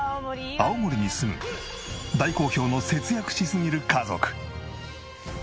青森に住む大好評の節約しすぎる家族。